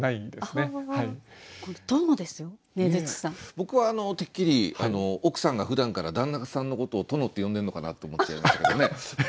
僕はてっきり奥さんがふだんから旦那さんのことを殿って呼んでるのかなと思っちゃいましたけどね。